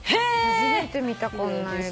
初めて見たこんな色。